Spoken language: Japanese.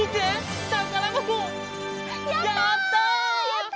やった！